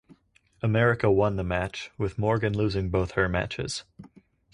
America won the match with Morgan losing both her matches.